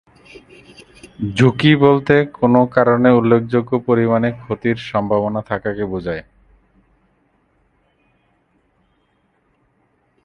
ঝুঁকি বলতে কোনও কারণে উল্লেখযোগ্য পরিমাণে ক্ষতির সম্ভাবনা থাকাকে বোঝায়।